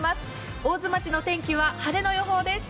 大津町の天気は晴れの予報です。